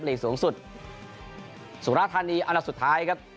สูงสุดสุรธานีอันดับสุดท้ายครับ